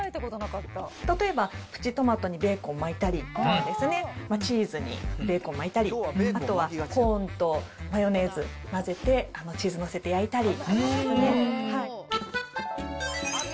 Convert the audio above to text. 例えば、プチトマトにベーコン巻いたりとかですね、チーズにベーコン巻いたり、あとは、コーンとマヨネーズ混ぜてチーズ載せて焼いたり。